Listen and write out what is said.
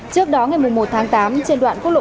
trước đó ngày một tháng tám trên đoạn quốc lộ một